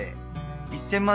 「１０００万